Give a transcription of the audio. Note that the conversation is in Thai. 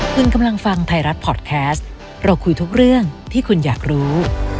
คุณกำลังฟังไทยรัฐพอร์ตแคสต์เราคุยทุกเรื่องที่คุณอยากรู้